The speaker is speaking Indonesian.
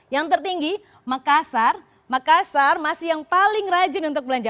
yang tertinggi makassar makassar masih yang paling rajin untuk belanja